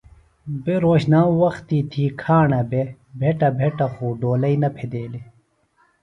بےۡ رہوتشنام وختہ بےۡ کھاݨہ بےۡ بھیٹہ بھیٹہ خوۡ ڈولئی نہ پھیدیلیۡ